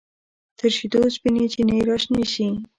تر شیدو سپینې چینې راشنې شي